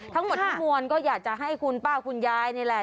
ทั้งหมดทั้งมวลก็อยากจะให้คุณป้าคุณยายนี่แหละ